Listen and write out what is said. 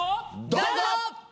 どうぞ！